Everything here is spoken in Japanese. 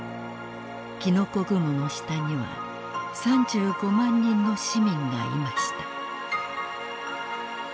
きのこ雲の下には３５万人の市民がいました。